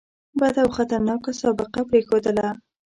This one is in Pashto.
بده او خطرناکه سابقه پرېښودله.